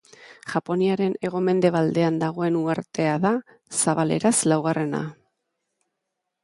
Japoniaren hego mendebaldean dagoen uhartea da, zabaleraz laugarrena.